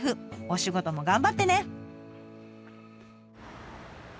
お仕事も頑張ってね！